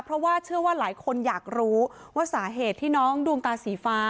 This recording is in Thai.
เพราะว่าเชื่อว่าหลายคนอยากรู้ว่าสาเหตุที่น้องดวงตาสีฟ้า